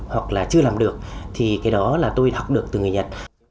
hoặc là chưa làm được thì cái đó là tôi học được từ người nhật